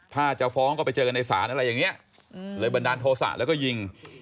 ถ้าจะฟ้องก็ไปเจอกันในศาลอะไรอย่างนี้เลยบันดาลโทษะแล้วก็ยิง